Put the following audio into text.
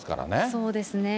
そうですね。